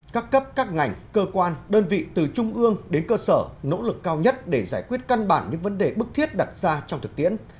các cấp các ngành cơ quan đơn vị từ trung ương đến cơ sở nỗ lực cao nhất để giải quyết căn bản những vấn đề bức thiết đặt ra trong thực tiễn